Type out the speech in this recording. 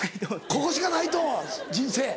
ここしかないと人生。